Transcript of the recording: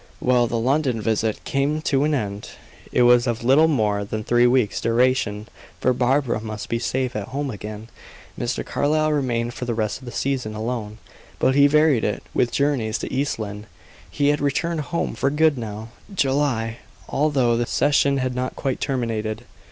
Well, the London visit came to an end. It was of little more than three weeks' duration, for Barbara must be safe at home again. Mr. Carlyle remained for the rest of the season alone, but he varied it with journeys to East Lynne. He had returned home for good now, July, although the session had not quite terminated.